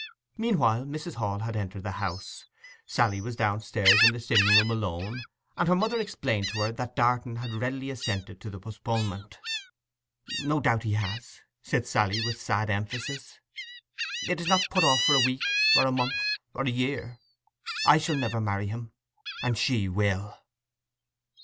Meanwhile Mrs. Hall had entered the house, Sally was downstairs in the sitting room alone, and her mother explained to her that Darton had readily assented to the postponement. 'No doubt he has,' said Sally, with sad emphasis. 'It is not put off for a week, or a month, or a year. I shall never marry him, and she will!